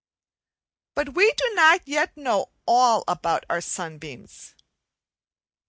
But we do not yet know all about our sunbeams.